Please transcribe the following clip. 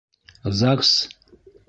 ЗАГС?